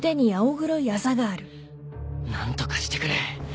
ん？何とかしてくれ。